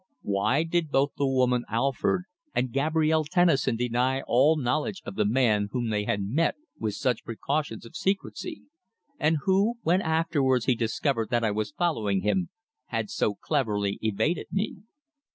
Why did both the woman Alford and Gabrielle Tennison deny all knowledge of the man whom they had met with such precautions of secrecy, and who, when afterwards he discovered that I was following him, had so cleverly evaded me?